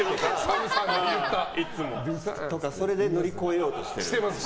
それで乗り越えようとしている。